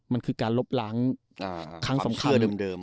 มันคือการลบล้างความเชื่อเดิม